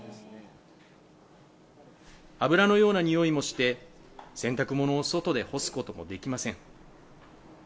油のような臭いもして、洗濯物を外で干すこともできません。